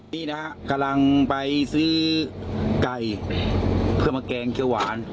นี่นะฮะกำลังไปซื้อไก่เพื่อมาแกงเขียวหวาน